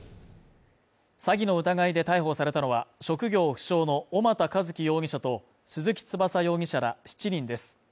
詐欺の疑いで逮捕されたのは、職業不詳の小俣一毅容疑者と鈴木翼容疑者ら７人です。